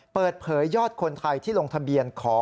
เปิดเผยยอดคนไทยที่ลงทะเบียนขอ